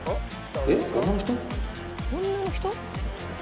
女の人？